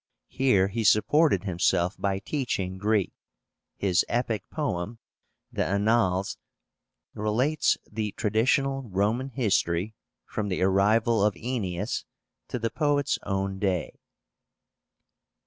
Here he supported himself by teaching Greek. His epic poem, the Annàles, relates the traditional Roman history, from the arrival of Aenéas to the poet's own day.